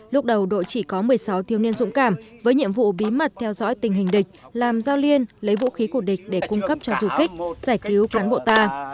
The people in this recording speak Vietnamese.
lúc đầu đội chỉ có một mươi sáu thiếu niên dũng cảm với nhiệm vụ bí mật theo dõi tình hình địch làm giao liên lấy vũ khí của địch để cung cấp cho du kích giải cứu cán bộ ta